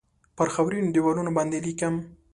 پر خاورینو دیوالونو باندې لیکم